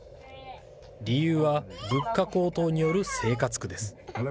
理由は物価高騰による生活苦です。